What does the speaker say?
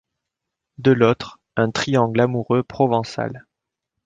De l'autre, un triangle amoureux provençal.